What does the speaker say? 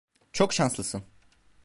Çok şanslısın.